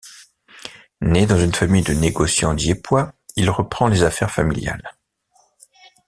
Né dans une famille de négociants dieppois, il reprend les affaires familiales.